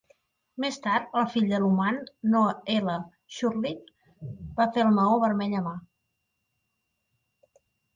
Més tard, el fill de Luman, Noah L. Shurtliff, va fer el maó vermell a mà.